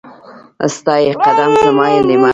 ستا يې قدم ، زما يې ليمه.